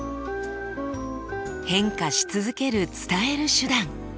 変化し続ける「伝える手段」。